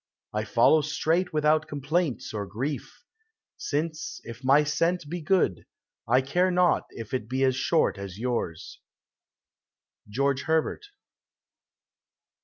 I follow straight without complaints or grief ; Since, if my scent be good, I care not if It be as short as yours. GEORGE HERBERT.